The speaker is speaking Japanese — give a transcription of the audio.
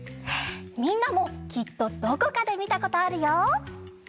みんなもきっとどこかでみたことあるよ。